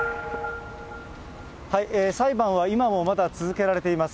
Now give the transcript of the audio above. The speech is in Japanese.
裁判は今もまだ続けられています。